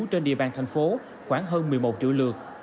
trên địa bàn thành phố khoảng hơn một mươi một triệu lượt